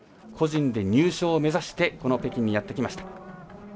個人で入賞を目指して北京にやってきました。